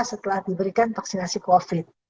setelah diberikan vaksinasi covid